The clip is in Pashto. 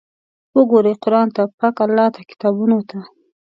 وګورئ قرآن ته، پاک الله ته، کتابونو ته!